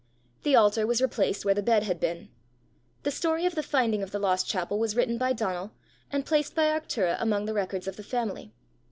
The altar was replaced where the bed had been. The story of the finding of the lost chapel was written by Donal, and placed by Arctura among the records of the family.